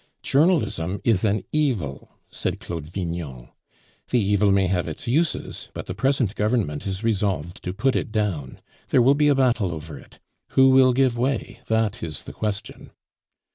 "Journalism is an evil," said Claude Vignon. "The evil may have its uses, but the present Government is resolved to put it down. There will be a battle over it. Who will give way? That is the question."